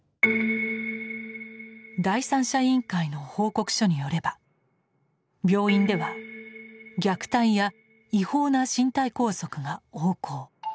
第三者委員会の報告書によれば病院では虐待や違法な身体拘束が横行。